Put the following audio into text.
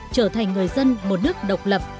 trở thành người dân một nước độc lập